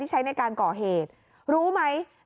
ใช้ในการก่อเหตุรู้ไหม